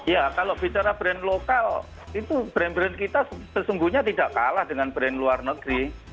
ya kalau bicara brand lokal itu brand brand kita sesungguhnya tidak kalah dengan brand luar negeri